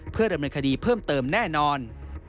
เพื่อได้บรรคดีเพิ่มเติมแน่นอน